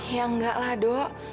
ya enggak lah do